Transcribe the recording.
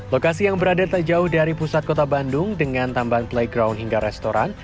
lokasi yang berada tak jauh dari pusat kota bandung dengan tambahan playground hingga restoran